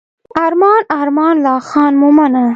ارمان ارمان لا خان مومنه.